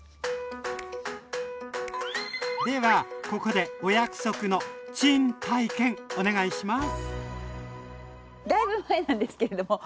ではここでお約束のチーン体験お願いします。